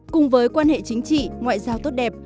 cùng với quan hệ chính trị ngoại giao tốt đẹp